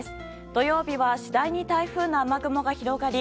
土曜日は次第に台風の雨雲が広がり